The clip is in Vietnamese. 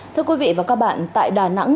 thưa quý vị và các bạn tại đà nẵng